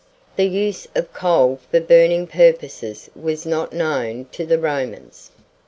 The use of coal for burning purposes was not known to the Romans.